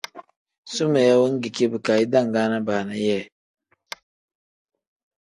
Sumeeya wengeki bika idangaana baana yee.